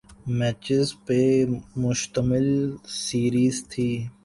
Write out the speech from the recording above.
matches پہ مشتمل series تھی